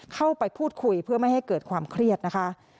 เข้าไปพูดคุยเพื่อไม่ให้เกิดความเครียดนะคะ